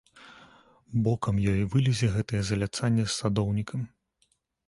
Бокам ёй вылезе гэтае заляцанне з садоўнікам.